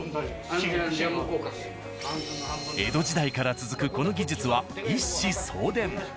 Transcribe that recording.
江戸時代から続くこの技術は一子相伝。